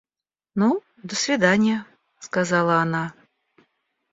– Ну, до свиданья! – сказала она.